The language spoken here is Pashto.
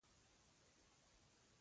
دوهمه قافیه په دوو سېلابونو کې راغلې ده.